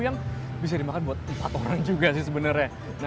yang bisa dimakan buat empat orang juga sih sebenarnya